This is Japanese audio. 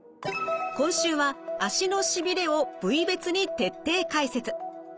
今週は足のしびれを部位別に徹底解説。